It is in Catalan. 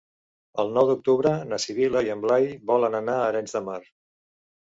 El nou d'octubre na Sibil·la i en Blai volen anar a Arenys de Mar.